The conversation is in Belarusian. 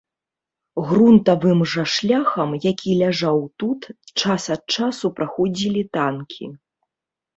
Грунтавым жа шляхам, які ляжаў тут, час ад часу праходзілі танкі.